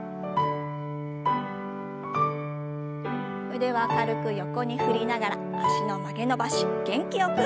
腕は軽く横に振りながら脚の曲げ伸ばし元気よく。